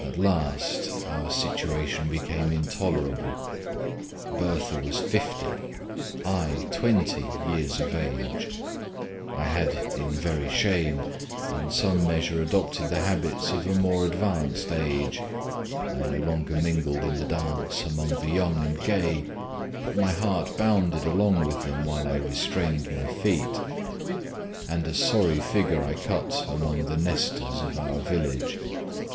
At last our situation became intolerable: Bertha was fifty I twenty years of age. I had, in very shame, in some measure adopted the habits of a more advanced age; I no longer mingled in the dance among the young and gay, but my heart bounded along with them while I restrained my feet; and a sorry figure I cut among the Nestors of our village.